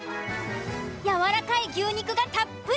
やわらかい牛肉がたっぷり。